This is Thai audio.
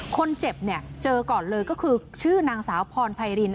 คนเจ็บเจอก่อนเลยก็คือชื่อนางสาวพรไพริน